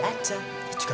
dia juga bersama